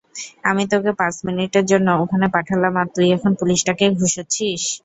আমি তোকে পাঁচ মিনিটের জন্য ওখানে পাঠালাম আর তুই এখন পুলিশটাকে ঘুষোচ্ছিস?